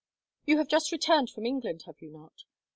"You have just returned from England, have you not?